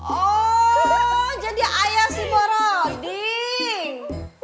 oh jadi ayah si broding